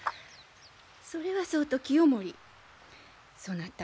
それはそうと清盛そなた